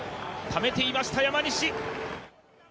ためていました、山西。